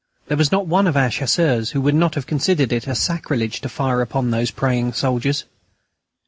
There was not one of our Chasseurs who would not have considered it a sacrilege to fire upon those praying soldiers.